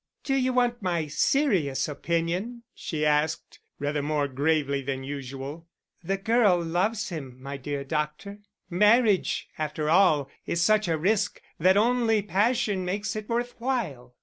"Do you want my serious opinion?" she asked, rather more gravely than usual. "The girl loves him, my dear doctor. Marriage, after all, is such a risk that only passion makes it worth while."